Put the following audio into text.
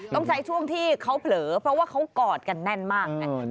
ต้องใช้ช่วงที่เขาเผลอเพราะว่าเขากอดกันแน่นมากไง